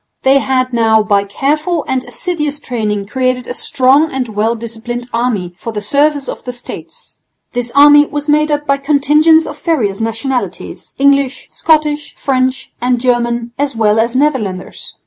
They had now by careful and assiduous training created a strong and well disciplined army for the service of the States. This army was made up by contingents of various nationalities, English, Scottish, French and German as well as Netherlanders.